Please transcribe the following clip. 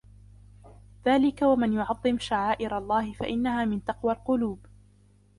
ذلك ومن يعظم شعائر الله فإنها من تقوى القلوب